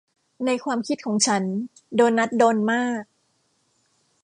ในความคิดของฉันโดนัทโดนมาก